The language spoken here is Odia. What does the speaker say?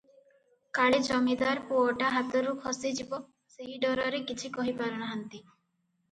କାଳେ ଜମିଦାର ପୁଅଟା ହାତରୁ ଖସିଯିବ, ସେହି ଡରରେ କିଛି କହି ପାରୁନାହାନ୍ତି ।